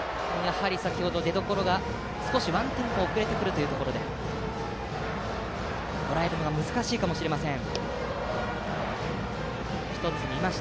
先程、出どころが少しワンテンポ遅れてくるということでとらえるのが難しいかもしれません。